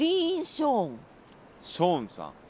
ショーンさん。